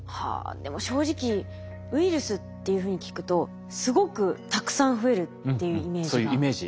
でも正直ウイルスっていうふうに聞くとすごくたくさん増えるっていうイメージが。